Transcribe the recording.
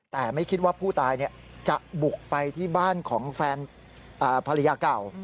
แต่ไม่คิดว่าผู้ตายจะบุกไปที่บ้านของแฟนภรรยาเก่า